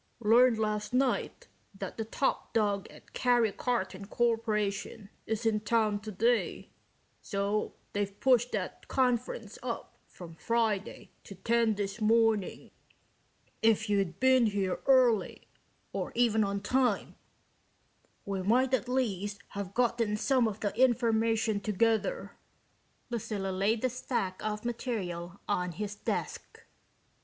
"Learned last night that the top dog at Karry Karton Korporation is in town today, so they've pushed that conference up from Friday to ten this morning. If you'd been here early or even on time we might at least have gotten some of the information together." Lucilla laid the stack of material on his desk.